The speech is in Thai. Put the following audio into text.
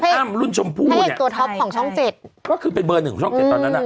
อ้ำรุ่นชมพู่ตัวท็อปของช่องเจ็ดก็คือเป็นเบอร์หนึ่งของช่องเจ็ดตอนนั้นอ่ะ